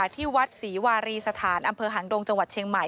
ที่วัดศรีวารีสถานอำเภอหางดงจังหวัดเชียงใหม่